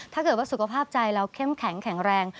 ถ้าเกิดว่าสุขภาพใจเราเข้มแข็งแข็งแรง